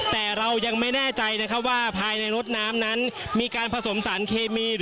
แต่เรายังไม่แน่ใจนะครับว่าภายในรถน้ำนั้นมีการผสมสารเคมี